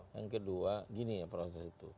yang kedua gini ya proses itu